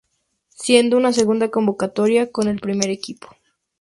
Siendo su segunda convocatoria con el primer equipo.